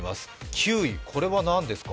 ９位、これは何ですか？